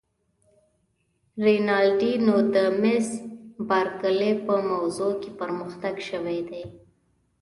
رینالډي: نو د مس بارکلي په موضوع کې پرمختګ شوی دی؟